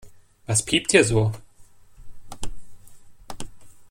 Was piept hier so?